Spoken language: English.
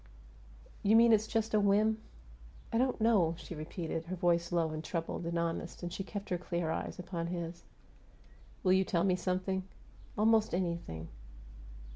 "You mean it's just a whim?" "I don't know," she repeated. Her voice was low and troubled and honest, and she kept her clear eyes upon his. "Will you tell me something?" "Almost anything."